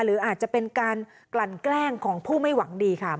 หรืออาจจะเป็นการกลั่นแกล้งของผู้ไม่หวังดีค่ะ